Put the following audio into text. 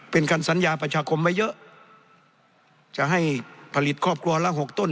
เป็นการสัญญาประชาคมไว้เยอะจะให้ผลิตครอบครัวละหกต้น